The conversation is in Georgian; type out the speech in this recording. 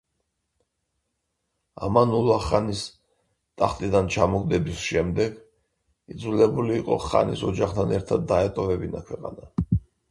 ამანულა ხანის ტახტიდან ჩამოგდების შემდეგ იძულებული იყო ხანის ოჯახთან ერთად დაეტოვებინა ქვეყანა.